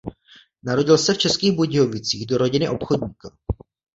Narodil se v Českých Budějovicích do rodiny obchodníka.